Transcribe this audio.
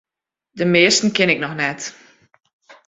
De measten ken ik noch net.